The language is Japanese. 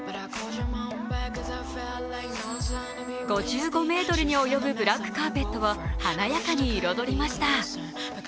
５５ｍに及ぶブラックカーペットを華やかに彩りました。